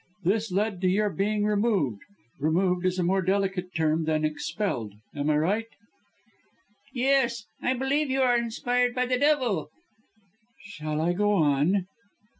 This led to your being removed. Removed is a more delicate term than 'expelled.' Am I right?" "Yes! I believe you are inspired by the devil." "Shall I go on?"